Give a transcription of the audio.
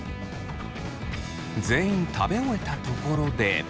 全員食べ終えたところで。